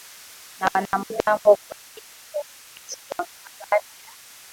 na wanamgambo kwenye kijiji cha Lexington na baada ya